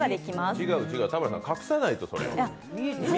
違う違う、田村さん、隠さないと。